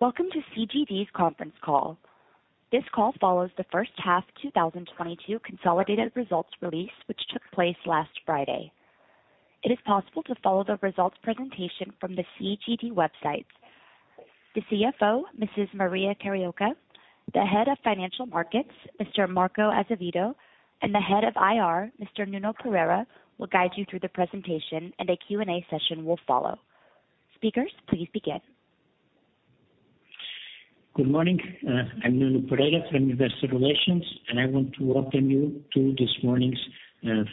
Welcome to CGD's conference call. This call follows the First Half 2022 Consolidated Results Release, which took place last Friday. It is possible to follow the results presentation from the CGD website. The CFO, Mrs. Maria Carioca, the Head of Financial Markets, Mr. Marco Azevedo, and the head of IR, Mr. Nuno Pereira, will guide you through the presentation and a Q&A session will follow. Speakers, please begin. Good morning. I'm Nuno Pereira from Investor Relations, and I want to welcome you to this morning's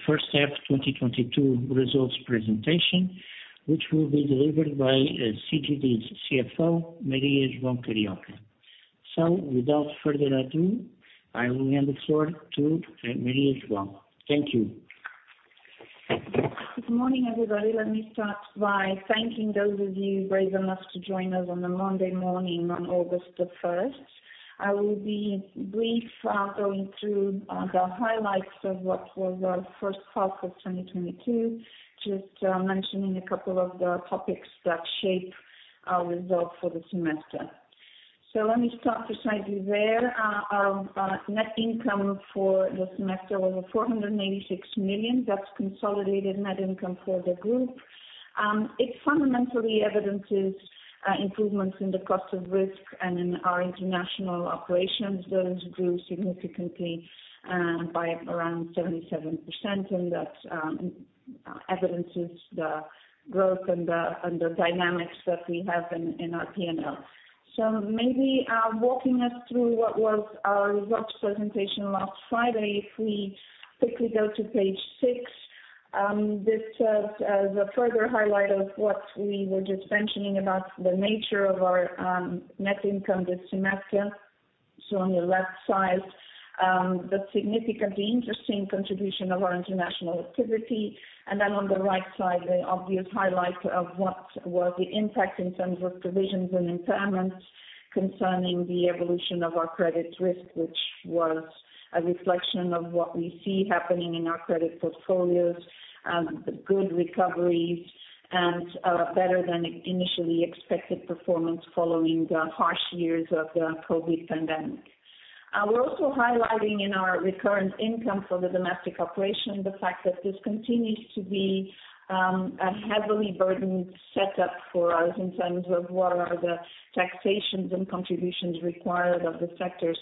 First Half 2022 Results Presentation, which will be delivered by CGD's CFO, Maria João Carioca. Without further ado, I will hand the floor to Maria João. Thank you. Good morning, everybody. Let me start by thanking those of you brave enough to join us on a Monday morning on August 1. I will be brief, going through the highlights of what was our first half of 2022, just mentioning a couple of the topics that shape our results for the semester. Let me start precisely there. Our net income for the semester was 486 million. That's consolidated net income for the group. It fundamentally evidences improvements in the cost of risk and in our international operations. Those grew significantly by around 77%, and that evidences the growth and the dynamics that we have in our P&L. Maybe walking us through what was our results presentation last Friday. If we quickly go to page 6, this shows the further highlight of what we were just mentioning about the nature of our net income this semester. On your left side, the significant, interesting contribution of our international activity. Then on the right side, the obvious highlight of what was the impact in terms of provisions and impairments concerning the evolution of our credit risk, which was a reflection of what we see happening in our credit portfolios, the good recoveries and better than initially expected performance following the harsh years of the COVID pandemic. We're also highlighting in our recurrent income for the domestic operation, the fact that this continues to be a heavily burdened setup for us in terms of what are the taxations and contributions required of the sector.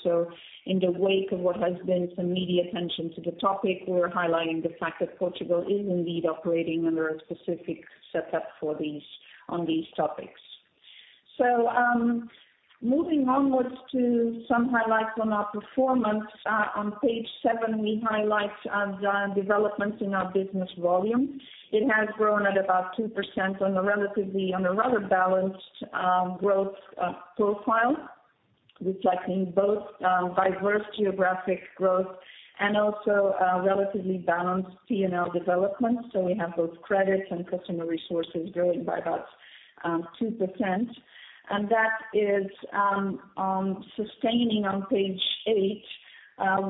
In the wake of what has been some media attention to the topic, we're highlighting the fact that Portugal is indeed operating under a specific setup for these on these topics. Moving onward to some highlights on our performance. On page 7, we highlight the developments in our business volume. It has grown at about 2% on a rather balanced growth profile, reflecting both diverse geographic growth and also relatively balanced P&L development. We have both credits and customer resources growing by about 2%. That is sustaining, on page 8,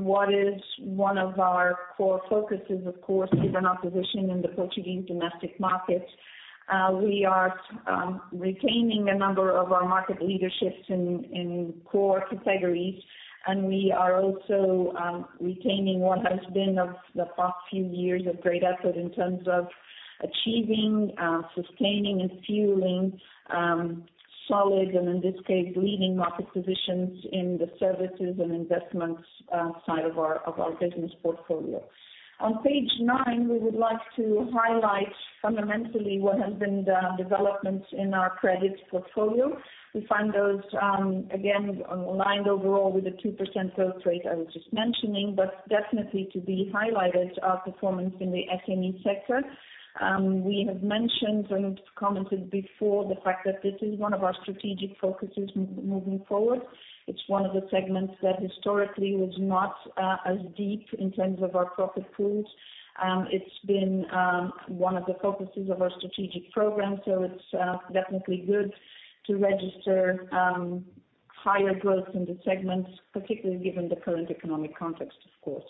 what is one of our core focuses, of course, given our position in the Portuguese domestic market. We are retaining a number of our market leaderships in core categories, and we are also retaining what has been of the past few years of great effort in terms of achieving, sustaining and fueling solid and in this case, leading market positions in the services and investments side of our business portfolio. On page 9, we would like to highlight fundamentally what has been the development in our credit portfolio. We find those again, aligned overall with the 2% growth rate I was just mentioning, but definitely to be highlighted our performance in the SME sector. We have mentioned and commented before the fact that this is one of our strategic focuses moving forward. It's one of the segments that historically was not as deep in terms of our profit pools. It's been one of the focuses of our strategic program, so it's definitely good to register higher growth in the segments, particularly given the current economic context, of course.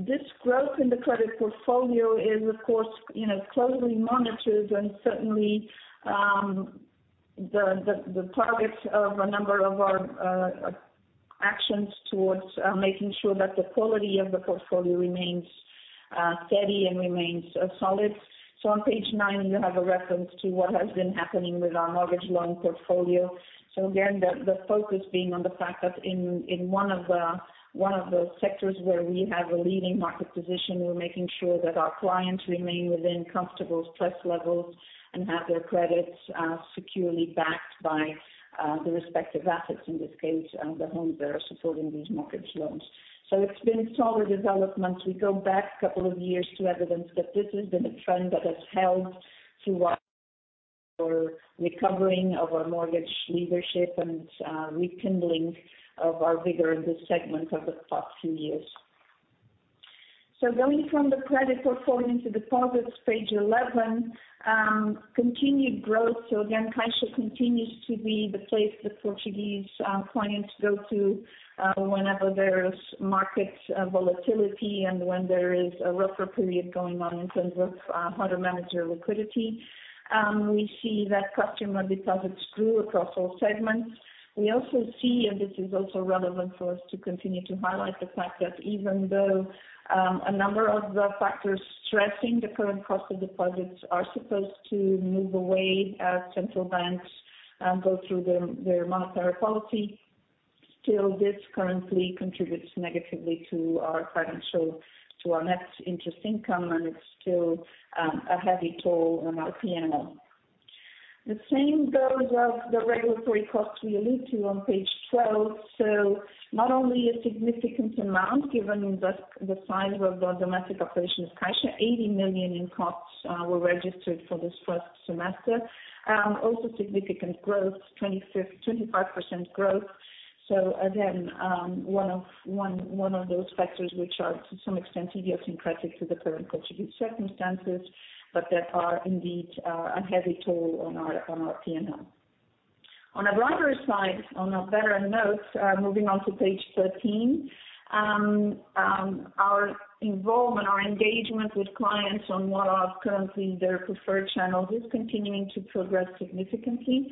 This growth in the credit portfolio is of course, you know, closely monitored and certainly the target of a number of our actions towards making sure that the quality of the portfolio remains steady and remains solid. On page 9, you have a reference to what has been happening with our mortgage loan portfolio. Again, the focus being on the fact that in one of the sectors where we have a leading market position, we're making sure that our clients remain within comfortable stress levels and have their credits securely backed by the respective assets, in this case, the homes that are supporting these mortgage loans. It's been solid development. We go back a couple of years to evidence that this has been a trend that has helped to our recovering of our mortgage leadership and rekindling of our vigor in this segment of the past few years. Going from the credit portfolio to deposits, page 11, continued growth. Again, Caixa continues to be the place the Portuguese clients go to whenever there's market volatility and when there is a rougher period going on in terms of how to manage your liquidity. We see that customer deposits grew across all segments. We also see, and this is also relevant for us to continue to highlight the fact that even though a number of the factors stressing the current cost of deposits are supposed to move away as central banks go through their monetary policy, still this currently contributes negatively to our financial, to our net interest income, and it's still a heavy toll on our P&L. The same goes for the regulatory costs we allude to on page 12. Not only a significant amount given the size of the domestic operations of Caixa, 80 million in costs were registered for this first semester. Also significant growth, 25% growth. Again, one of those factors which are to some extent idiosyncratic to the current Portuguese circumstances, but that are indeed a heavy toll on our P&L. On a brighter side, on a better note, moving on to page 13, our engagement with clients on what are currently their preferred channels is continuing to progress significantly.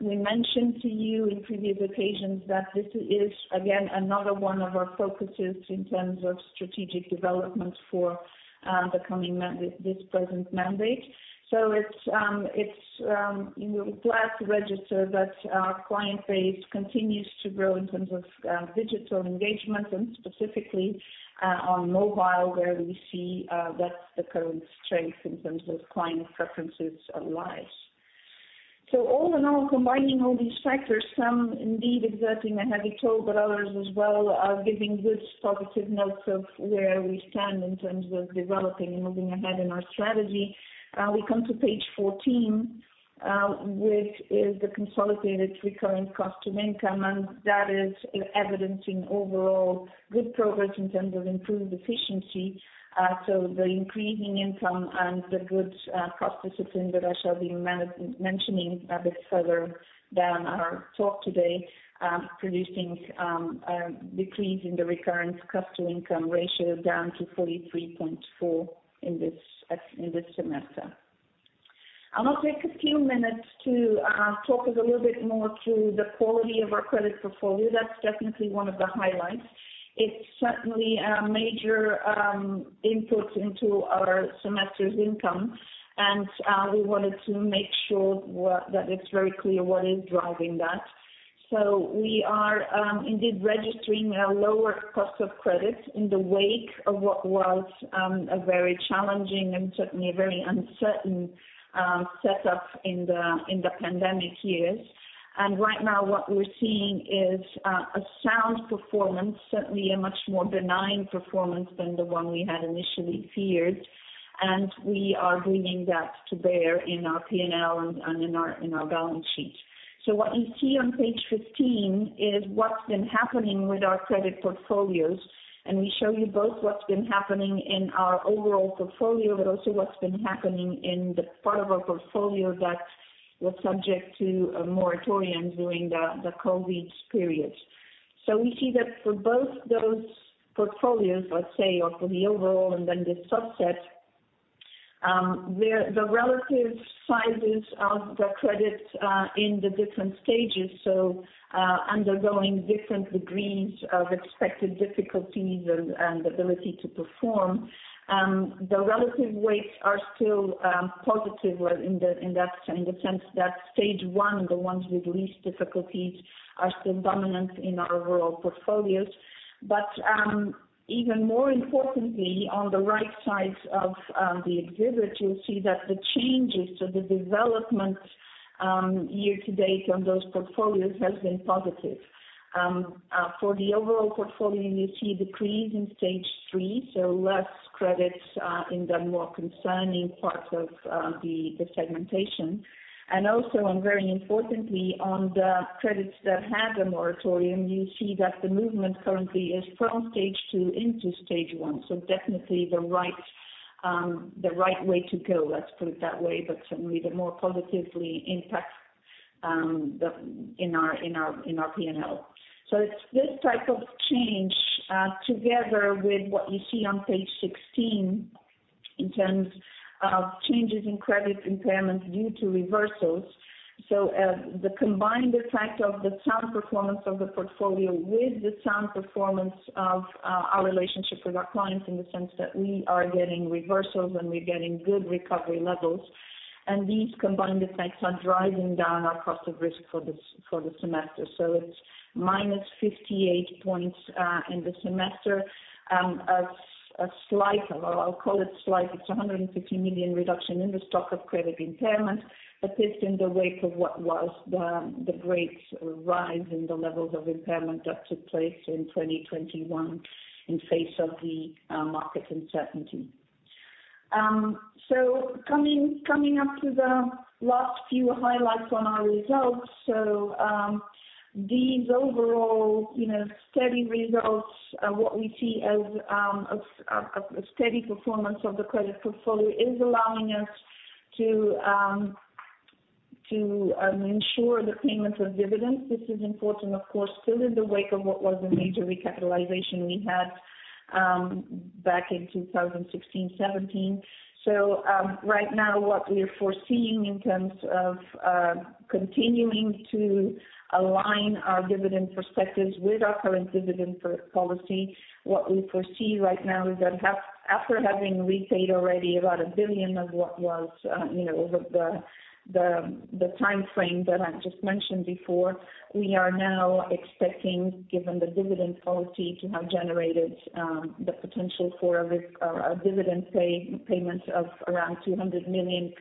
We mentioned to you in previous occasions that this is again another one of our focuses in terms of strategic development for this present mandate. It's you know, we're glad to register that our client base continues to grow in terms of digital engagement and specifically on mobile, where we see that's the current strength in terms of client preferences lies. All in all, combining all these factors, some indeed exerting a heavy toll, but others as well are giving good positive notes of where we stand in terms of developing and moving ahead in our strategy. We come to page 14, which is the consolidated recurring cost to income, and that is evidencing overall good progress in terms of improved efficiency. The increasing income and the good cost discipline that I shall be mentioning a bit further down our talk today, producing decrease in the recurrent cost to income ratio down to 43.4% in this semester. I'll take a few minutes to talk a little bit more to the quality of our credit portfolio. That's definitely one of the highlights. It's certainly a major input into our semester's income. We wanted to make sure that it's very clear what is driving that. We are indeed registering a lower cost of credit in the wake of what was a very challenging and certainly a very uncertain setup in the pandemic years. Right now what we're seeing is a sound performance, certainly a much more benign performance than the one we had initially feared. We are bringing that to bear in our P&L and in our balance sheet. What you see on page 15 is what's been happening with our credit portfolios, and we show you both what's been happening in our overall portfolio, but also what's been happening in the part of our portfolio that was subject to a moratorium during the COVID period. We see that for both those portfolios, let's say, or for the overall and then this subset, where the relative sizes of the credits in the different stages, undergoing different degrees of expected difficulties and ability to perform, the relative weights are still positive, well, in the sense that Stage 1, the ones with least difficulties, are still dominant in our overall portfolios. Even more importantly, on the right side of the exhibit, you'll see that the changes to the development year-to-date on those portfolios has been positive. For the overall portfolio, you see decrease in Stage 3, so less credits in the more concerning parts of the segmentation. Very importantly on the credits that had the moratorium, you see that the movement currently is from Stage 2 into Stage 1. Definitely the right way to go, let's put it that way, but certainly the more positive impact in our P&L. It's this type of change together with what you see on page 16 in terms of changes in credit impairment due to reversals. The combined effect of the sound performance of the portfolio with the sound performance of our relationship with our clients in the sense that we are getting reversals and we're getting good recovery levels, and these combined effects are driving down our cost of risk for the semester. It's -58 points in the semester. A slight, well I'll call it slight, it's a 150 million reduction in the stock of credit impairment, but this in the wake of what was the great rise in the levels of impairment that took place in 2021 in face of the market uncertainty. Coming up to the last few highlights on our results. These overall, you know, steady results are what we see as a steady performance of the credit portfolio is allowing us to ensure the payment of dividends. This is important, of course, still in the wake of what was a major recapitalization we had back in 2016, 2017. Right now what we're foreseeing in terms of continuing to align our dividend perspectives with our current dividend policy. What we foresee right now is that after having repaid already about 1 billion of what was, you know, the timeframe that I just mentioned before, we are now expecting, given the dividend policy, to have generated the potential for a dividend payment of around 200 million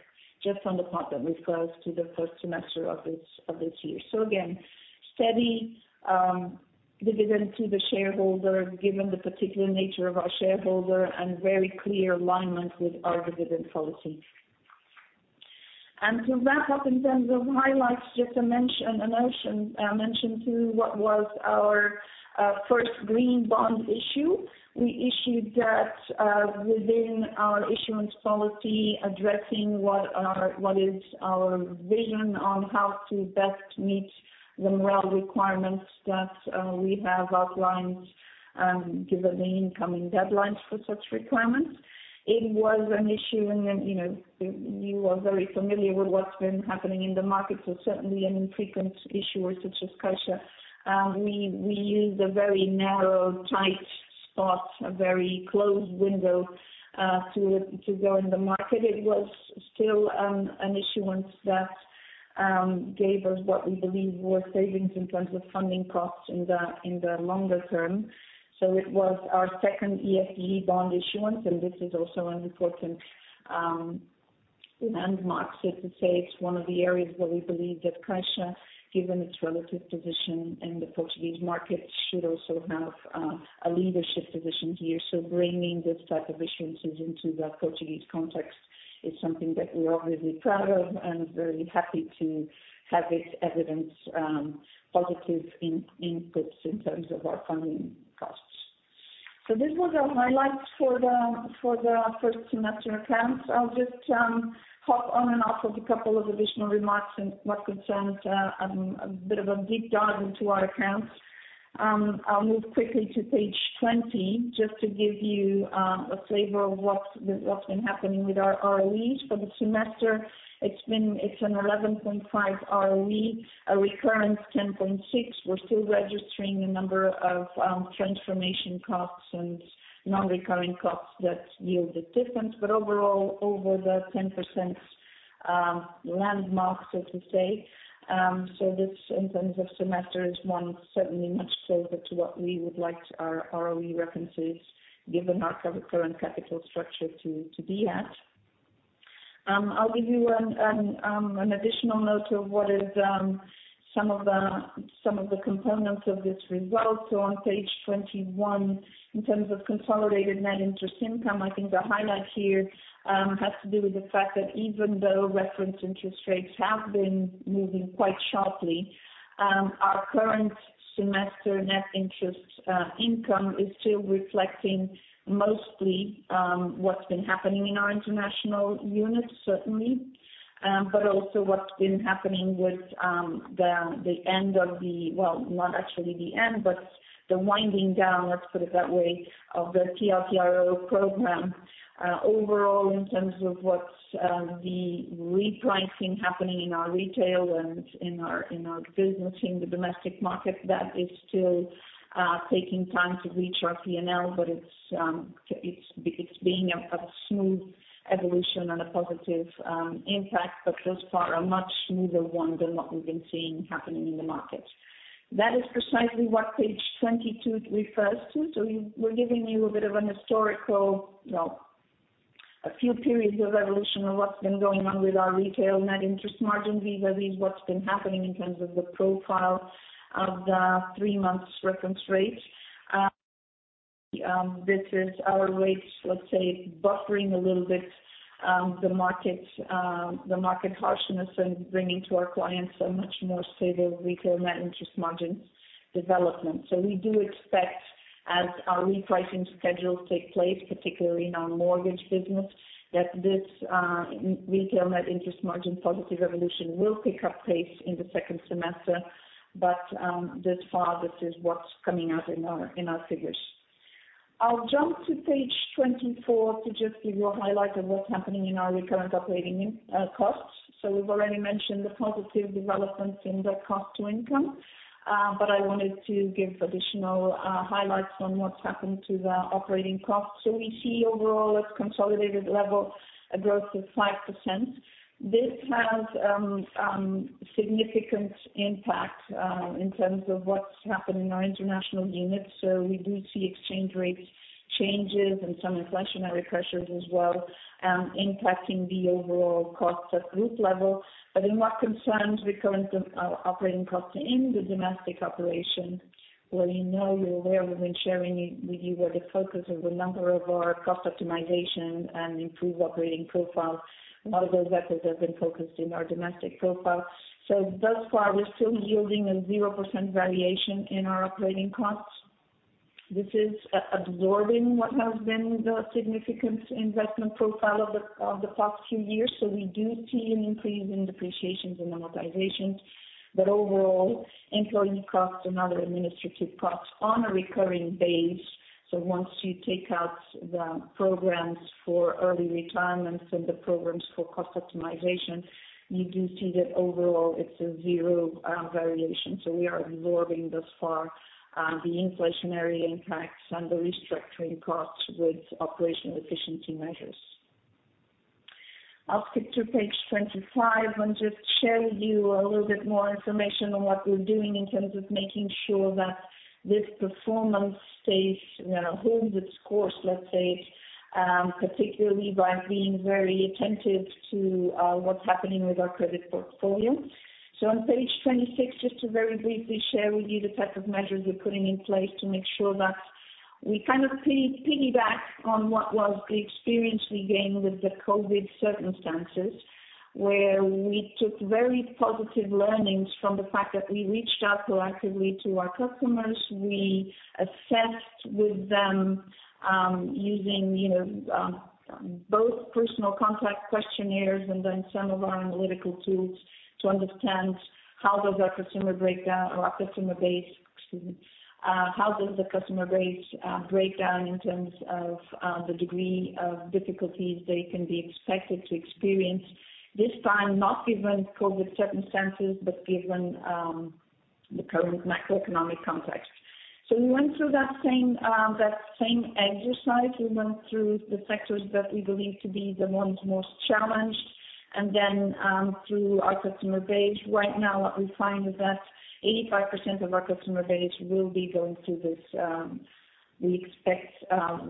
just on the part that refers to the first semester of this year. Again, steady dividend to the shareholder given the particular nature of our shareholder and very clear alignment with our dividend policy. To wrap up in terms of highlights, just to mention to what was our first green bond issue. We issued that within our issuance policy addressing what is our vision on how to best meet the MREL requirements that we have outlined, given the incoming deadlines for such requirements. It was an issue in, you know, you are very familiar with what's been happening in the market. Certainly an infrequent issuer such as Caixa, we used a very narrow, tight spot, a very close window to go in the market. It was still an issuance that gave us what we believe were savings in terms of funding costs in the longer term. It was our second ESG bond issuance, and this is also an important landmark, so to say. It's one of the areas where we believe that Caixa, given its relative position in the Portuguese market, should also have a leadership position here. Bringing this type of issuances into the Portuguese context is something that we're obviously proud of and very happy to have this evidence positive in-inputs in terms of our funding costs. This was our highlights for the first semester accounts. I'll just hop on and off with a couple of additional remarks in what concerns a bit of a deep dive into our accounts. I'll move quickly to page 20 just to give you a flavor of what's been happening with our ROEs. For the semester it's been, it's an 11.5% ROE, a recurrent 10.6%. We're still registering a number of transformation costs and non-recurring costs that yield a difference, but overall over the 10% landmark so to say. This in terms of semester is one certainly much closer to what we would like our ROE references given our current capital structure to be at. I'll give you an additional note of what is some of the components of this result. On page 21, in terms of consolidated net interest income, I think the highlight here has to do with the fact that even though reference interest rates have been moving quite sharply, our current semester net interest income is still reflecting mostly what's been happening in our international units, certainly, but also what's been happening with the end of the. Well, not actually the end, but the winding down, let's put it that way, of the TLTRO program. Overall, in terms of what's the repricing happening in our retail and in our business in the domestic market, that is still taking time to reach our P&L, but it's being a smooth evolution and a positive impact, but thus far a much smoother one than what we've been seeing happening in the market. That is precisely what page 22 refers to. We're giving you a bit of an historical, well, a few periods of evolution of what's been going on with our retail net interest margin vis-à-vis what's been happening in terms of the profile of the three months reference rates. This is our rates, let's say, buffering a little bit, the market harshness and bringing to our clients a much more stable retail net interest margin development. We do expect, as our repricing schedules take place, particularly in our Mortgage business, that this retail net interest margin positive evolution will pick up pace in the second semester. Thus far, this is what's coming out in our figures. I'll jump to page 24 to just give you a highlight of what's happening in our recurrent operating costs. We've already mentioned the positive developments in the cost to income, but I wanted to give additional highlights on what's happened to the operating costs. We see overall at consolidated level a growth of 5%. This has significant impact in terms of what's happened in our international units. We do see exchange rates changes and some inflationary pressures as well, impacting the overall costs at group level. In what concerns recurrent operating costs in the domestic operation, well you know, you're aware, we've been sharing with you where the focus of a number of our cost optimization and improved operating profiles, a lot of those efforts have been focused in our domestic profile. Thus far, we're still yielding a 0% variation in our operating costs. This is absorbing what has been the significant investment profile of the past few years. We do see an increase in depreciations and amortizations, but overall employee costs and other administrative costs on a recurring basis. Once you take out the programs for early retirements and the programs for cost optimization, you do see that overall it's a zero variation. We are absorbing thus far the inflationary impacts and the restructuring costs with operational efficiency measures. I'll skip to page 25 and just share with you a little bit more information on what we're doing in terms of making sure that this performance stays, you know, holds its course, let's say, particularly by being very attentive to what's happening with our credit portfolio. On page 26, just to very briefly share with you the type of measures we're putting in place to make sure that we kind of piggyback on what was the experience we gained with the COVID circumstances, where we took very positive learnings from the fact that we reached out proactively to our customers. We assessed with them, using, you know, both personal contact questionnaires and then some of our analytical tools to understand how does our customer base break down in terms of the degree of difficulties they can be expected to experience this time, not given COVID circumstances, but given the current macroeconomic context. We went through that same exercise. We went through the sectors that we believe to be the ones most challenged, and then through our customer base. Right now, what we find is that 85% of our customer base will be going through this, we expect,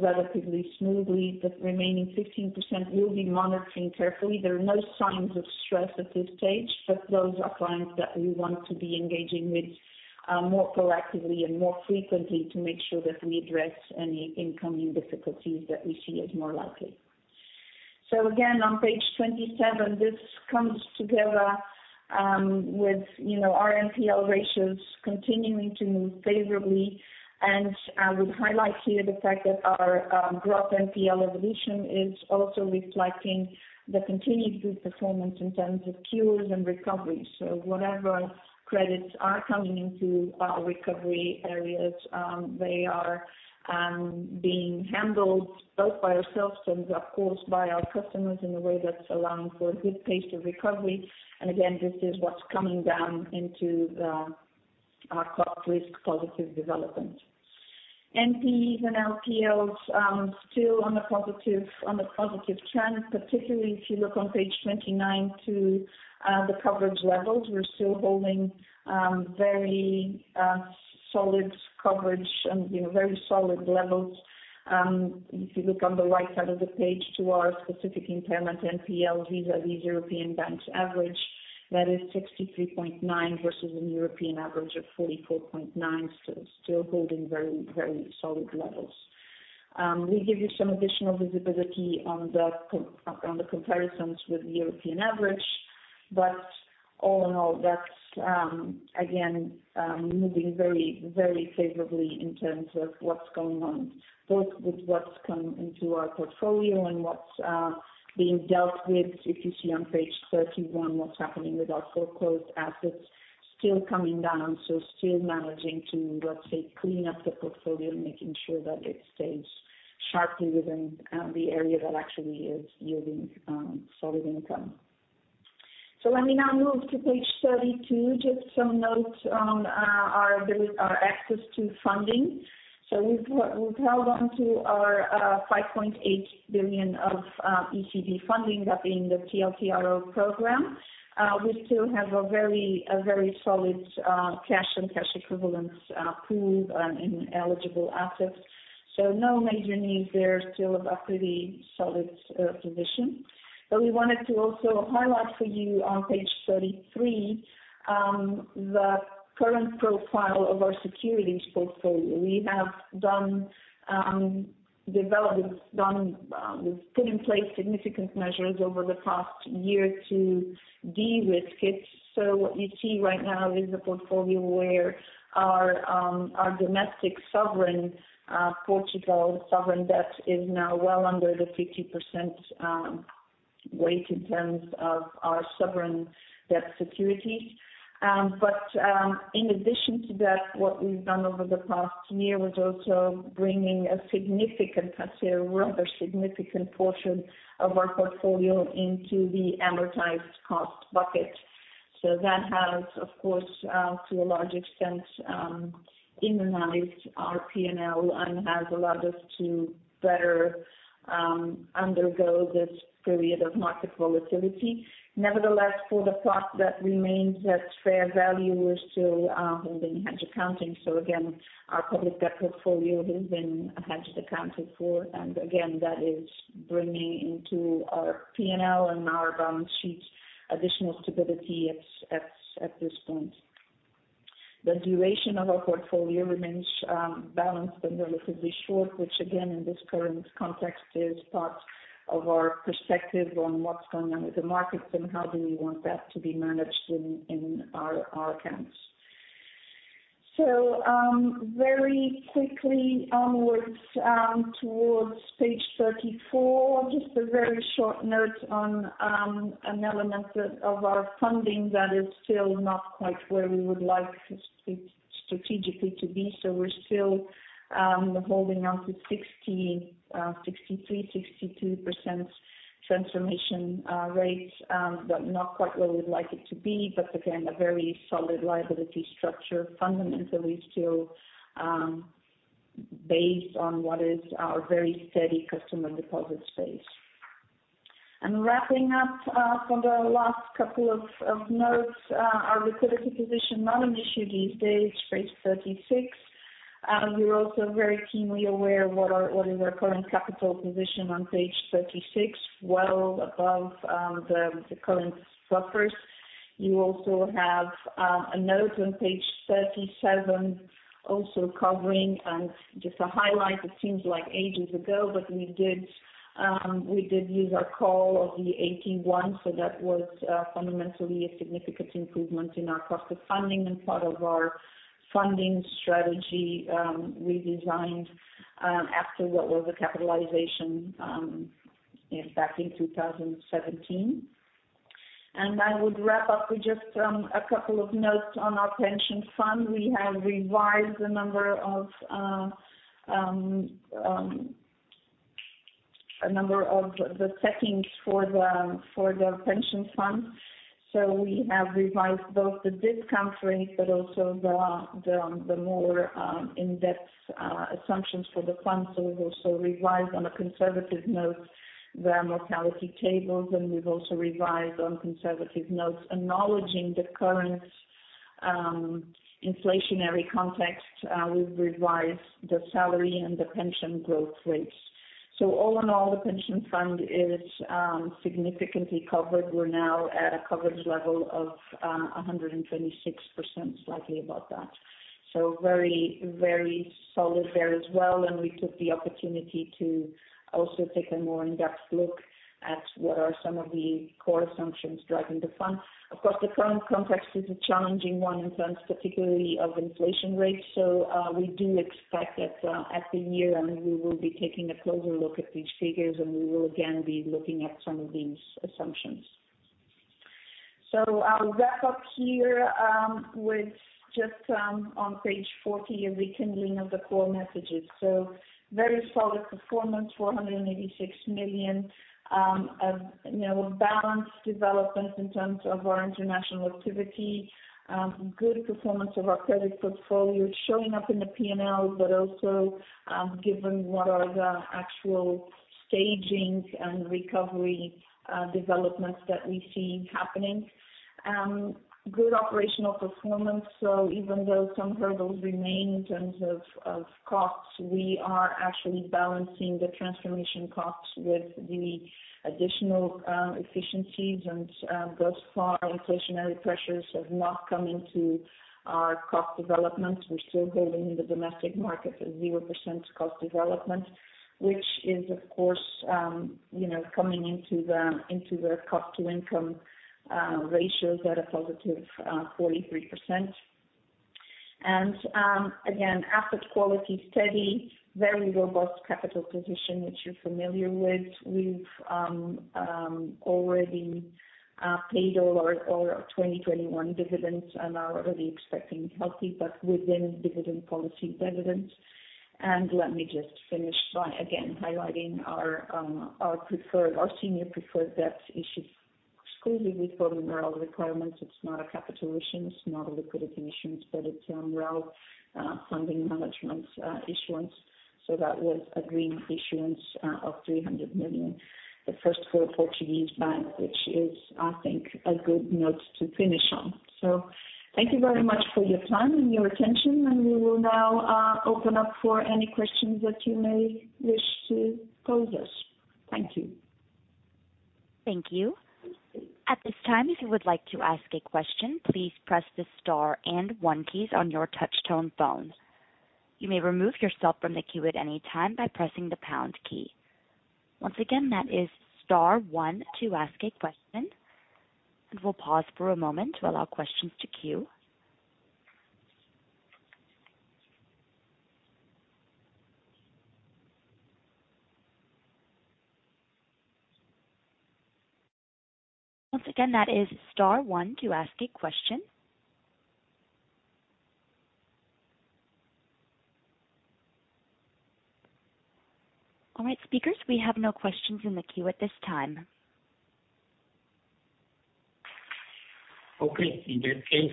relatively smoothly. The remaining 15% we'll be monitoring carefully. There are no signs of stress at this stage, but those are clients that we want to be engaging with more proactively and more frequently to make sure that we address any incoming difficulties that we see as more likely. Again, on page 27, this comes together with, you know, our NPL ratios continuing to move favorably. I would highlight here the fact that our gross NPL evolution is also reflecting the continued good performance in terms of cures and recoveries. Whatever credits are coming into our recovery areas, they are being handled both by ourselves and of course, by our customers in a way that's allowing for a good pace of recovery. Again, this is what's coming down into the our cost risk positive development. NPEs and NPLs still on a positive trend, particularly if you look on page 29 to the coverage levels. We're still holding very solid coverage and, you know, very solid levels. If you look on the right side of the page to our specific impairment NPL vis-à-vis European banks average, that is 63.9 versus a European average of 44.9. Still holding very solid levels. We give you some additional visibility on the comparisons with European average, but all in all that's again moving very favorably in terms of what's going on, both with what's come into our portfolio and what's being dealt with. If you see on page 31 what's happening with our foreclosed assets still coming down, so still managing to, let's say, clean up the portfolio, making sure that it stays sharply within, the area that actually is yielding, solid income. Let me now move to page 32. Just some notes on our access to funding. We've held onto our 5.8 billion of ECB funding, that being the TLTRO program. We still have a very solid cash and cash equivalents pool in eligible assets. No major needs there, still a pretty solid position. We wanted to also highlight for you on page 33, the current profile of our securities portfolio. We've put in place significant measures over the past year to de-risk it. What you see right now is a portfolio where our domestic sovereign Portugal sovereign debt is now well under the 50% weight in terms of our sovereign debt securities. In addition to that, what we've done over the past year was also bringing a significant, let's say a rather significant portion of our portfolio into the amortized cost bucket. That has, of course, to a large extent, immunized our P&L and has allowed us to better undergo this period of market volatility. Nevertheless, for the part that remains at fair value, we're still holding hedge accounting. Again, our public debt portfolio has been hedge accounted for, and again, that is bringing into our P&L and our balance sheet additional stability at this point. The duration of our portfolio remains balanced and relatively short, which again, in this current context, is part of our perspective on what's going on with the markets and how do we want that to be managed in our accounts. Very quickly onward towards page 34, just a very short note on an element of our funding that is still not quite where we would like it strategically to be. We're still holding on to 62%-63% transformation rates, but not quite where we'd like it to be. Again, a very solid liability structure, fundamentally still, based on what is our very steady customer deposit base. Wrapping up, from the last couple of notes, our liquidity position, not an issue these days, page 36. You're also very keenly aware of what is our current capital position on page 36, well above the current buffers. You also have a note on page 37 also covering and just to highlight, it seems like ages ago, but we did use our call on the AT-1. That was fundamentally a significant improvement in our cost of funding and part of our funding strategy, redesigned after what was a capitalization back in 2017. I would wrap up with just a couple of notes on our pension fund. We have revised a number of the settings for the pension fund. We have revised both the discount rate, but also the more in-depth assumptions for the fund. We've also revised on a conservative note the mortality tables, and we've also revised on conservative notes, acknowledging the current inflationary context, we've revised the salary and the pension growth rates. All in all, the pension fund is significantly covered. We're now at a coverage level of 126%, slightly above that. Very, very solid there as well. We took the opportunity to also take a more in-depth look at what are some of the core assumptions driving the fund. Of course, the current context is a challenging one in terms particularly of inflation rates. We do expect that, at the year end, we will be taking a closer look at these figures, and we will again be looking at some of these assumptions. I'll wrap up here, with just on page 40, a rekindling of the core messages. Very solid performance, 486 million. You know, a balanced development in terms of our international activity. Good performance of our credit portfolio showing up in the P&L, but also, given what are the actual stages and recovery developments that we see happening. Good operational performance. Even though some hurdles remain in terms of costs, we are actually balancing the transformation costs with the additional efficiencies. Thus far, inflationary pressures have not come into our cost developments. We're still holding the domestic market at 0% cost development, which is of course, you know, coming into the cost to income ratios at a positive 43%. Again, asset quality steady, very robust capital position, which you're familiar with. We've already paid all our 2021 dividends and are really expecting healthy but within dividend policy dividends. Let me just finish by again highlighting our preferred, our senior preferred debt issued exclusively with funding MREL requirements. It's not a capital issuance, not a liquidity issuance, but it's MREL funding management issuance. That was a green issuance of 300 million. The first for a Portuguese bank, which is, I think, a good note to finish on. Thank you very much for your time and your attention. We will now open up for any questions that you may wish to pose us. Thank you. Thank you. At this time, if you would like to ask a question, please press the star and one keys on your touch tone phone. You may remove yourself from the queue at any time by pressing the pound key. Once again, that is star one to ask a question. We'll pause for a moment to allow questions to queue. Once again, that is star one to ask a question. All right, speakers, we have no questions in the queue at this time. Okay. In that case,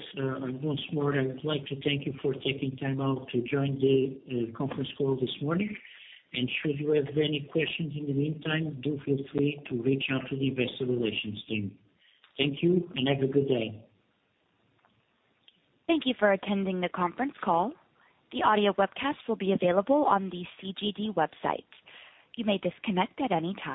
once more, I would like to thank you for taking time out to join the conference call this morning. Should you have any questions in the meantime, do feel free to reach out to the Investor Relations team. Thank you, and have a good day. Thank you for attending the conference call. The audio webcast will be available on the CGD website. You may disconnect at any time.